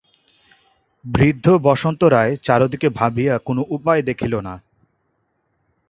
বৃদ্ধ বসন্ত রায় চারিদিক ভাবিয়া কোন উপায় দেখিলেন না।